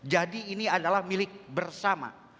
jadi ini adalah milik bersama